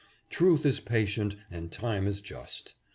Truth is patient and time is just.